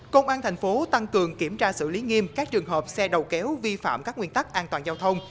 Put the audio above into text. công an thành phố tăng cường kiểm tra xử lý nghiêm các trường hợp xe đầu kéo vi phạm các nguyên tắc an toàn giao thông